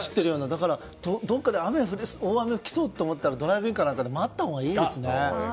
どっかで大雨が来そうと思ったらドライブインか何かで待ったほうがいいですね。